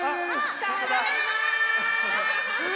ただいま！